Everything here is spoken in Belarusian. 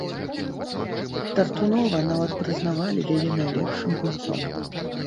Тартунова нават прызнавалі яе найлепшым гульцом.